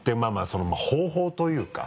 その方法というか。